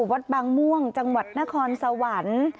วัดบางม่วงจังหวัดนครสวรรค์